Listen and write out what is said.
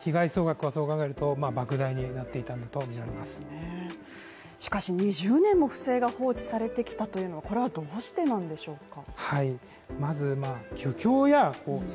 被害総額はそう考えると莫大になっていたんだと見られますねしかし２０年も不正が放置されてきたというのはこれはどうしてなんでしょうか？